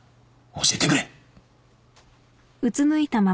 教えてくれ。